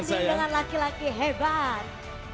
dibanding dengan laki laki hebat